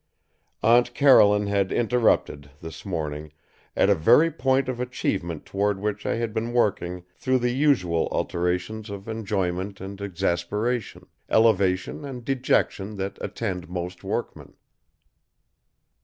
Aunt Caroline had interrupted, this morning, at a very point of achievement toward which I had been working through the usual alternations of enjoyment and exasperation, elevation and dejection that attend most workmen.